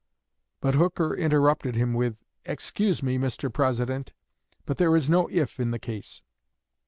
But Hooker interrupted him with "Excuse me, Mr. President, but there is no 'if' in the case.